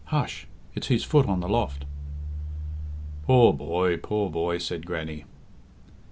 Hush!... It's his foot on the loft." "Poor boy! poor boy!" said Grannie.